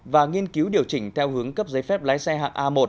và nghiên cứu điều chỉnh theo hướng cấp giấy phép lái xe hạng a một